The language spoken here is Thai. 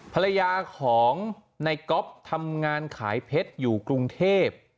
ภรรยาของในก๊อฟทำงานขายเพชรอยู่กรุงเทพ